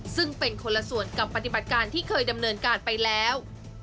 ซึ่งเป็นคนละส่วนกับปฏิบัติการที่เคยดำเนินการไปแล้ว